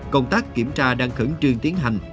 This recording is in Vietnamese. công tác kiểm tra đang khẩn trương tiến hành